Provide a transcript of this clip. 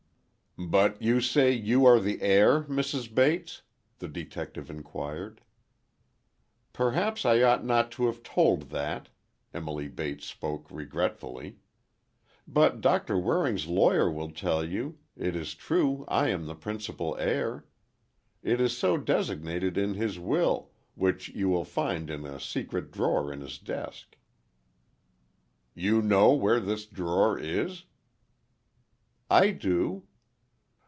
"But you say you are the heir, Mrs. Bates?" the detective inquired. "Perhaps I ought not to have told that," Emily Bates spoke regretfully. "But Doctor Waring's lawyer will tell you, it is true I am the principal heir. It is so designated in his will, which you will find in a secret drawer in his desk." "You know where this drawer is?" "I do."